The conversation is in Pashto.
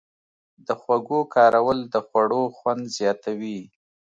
د خوږو کارول د خوړو خوند زیاتوي.